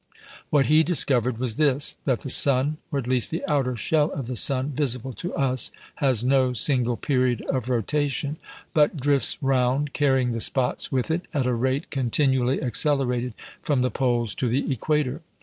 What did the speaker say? What he discovered was this: that the sun, or at least the outer shell of the sun visible to us, has no single period of rotation, but drifts round, carrying the spots with it, at a rate continually accelerated from the poles to the equator.